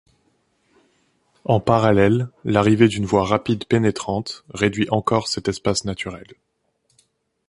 En parallèle, l'arrivée d'une voie rapide pénétrante, réduit encore cet espace naturel.